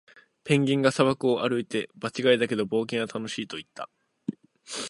ペンギンが砂漠を歩いて、「場違いだけど、冒険は楽しい！」と言った。